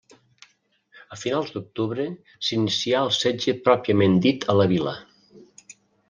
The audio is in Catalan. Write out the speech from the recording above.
A finals d'octubre s'inicià el setge pròpiament dit a la Vila.